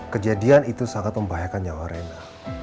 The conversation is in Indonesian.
kejadian itu sangat membahayakan nyawa rina